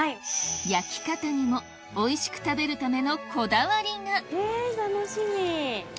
焼き方にもおいしく食べるためのこだわりがえぇ楽しみ。